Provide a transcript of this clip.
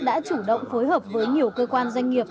đã chủ động phối hợp với nhiều cơ quan doanh nghiệp